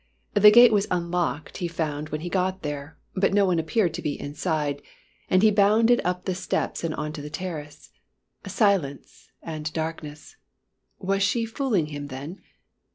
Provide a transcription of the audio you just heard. The gate was unlocked he found when he got there, but no one appeared to be inside, and he bounded up the steps and on to the terrace. Silence and darkness was she fooling him then?